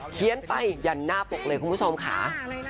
เขียนไปยันหน้าปกเลยคุณผู้ชมค่ะ